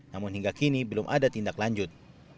namun hingga kini belum ada tindak lanjut